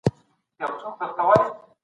اته اتم عدد دئ.